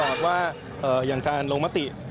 มันจะตลอดว่าอย่างการลงมติ